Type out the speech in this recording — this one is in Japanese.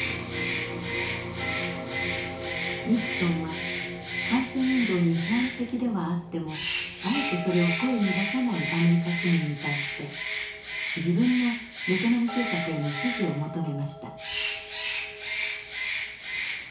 ニクソンは反戦運動に批判的ではあってもあえてそれを声に出さないアメリカ市民に対して自分のベトナム政策への支持を求めました。